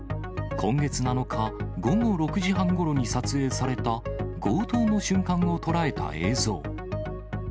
今月７日午後６時半ごろに撮影された、強盗の瞬間を捉えた映像。